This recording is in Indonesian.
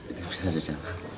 itu bisa dijawab